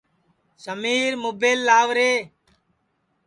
سمیر مُبیل لاو رے